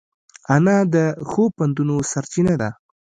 انا د ښو پندونو سرچینه ده